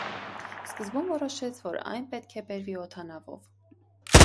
Սկզբում որոշվեց, որ այն պետք է բերվի օդանավով։